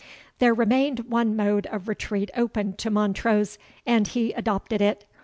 There remained one mode of retreat open to Montrose, and he adopted it.